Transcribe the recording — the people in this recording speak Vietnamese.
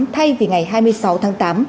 thay vì ngày hai mươi sáu tháng tám